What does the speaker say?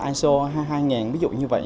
iso hai nghìn ví dụ như vậy